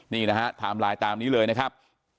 นี่นะฮะไทม์ไลน์ตามนี้เลยนะครับ